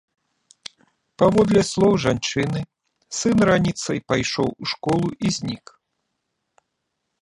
Паводле слоў жанчыны, сын раніцай пайшоў у школу і знік.